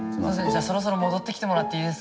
じゃあそろそろ戻ってきてもらっていいですか。